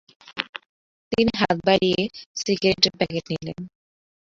তিনি হাত বাড়িয়ে সিগারেটের প্যাকেট নিলেন।